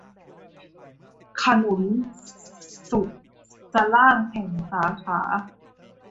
ขนุนสุกสล้างแห่ง สาขา